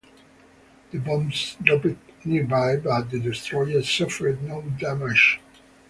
The bombs dropped nearby, but the destroyer suffered no damage.